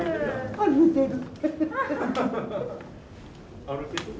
歩いてる。